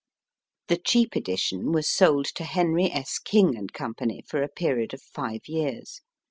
The cheap edition was sold to Henry S. King & Co. for a period of five years.